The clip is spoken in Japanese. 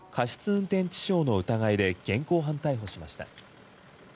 運転致傷の疑いで現行犯逮捕しました。